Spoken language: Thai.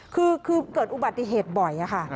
คือเกิดอุบัติเหตุบ่อยค่ะ